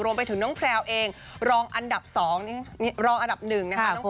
รวมไปถึงน้องแคร่วเองรองอันดับ๒รองอันดับ๑นะฮะ